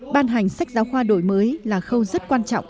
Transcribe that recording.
ban hành sách giáo khoa đổi mới là khâu rất quan trọng